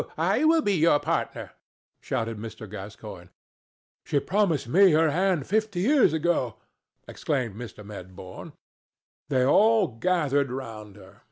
I will be her partner," shouted Mr. Gascoigne. "She promised me her hand fifty years ago," exclaimed Mr. Medbourne. They all gathered round her.